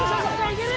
いける！